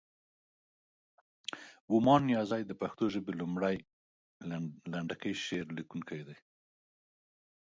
ومان نیازی د پښتو ژبې لومړی، لنډکی شعر لیکونکی دی.